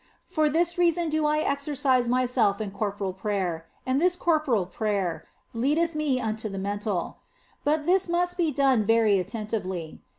For this reason do I exercise myself in corporal prayer, and this corporal prayer leadeth me unto the mental. But this must be done very attentively.